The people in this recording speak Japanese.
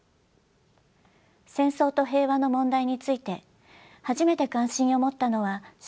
戦争と平和の問題について初めて関心を持ったのは小学生の頃です。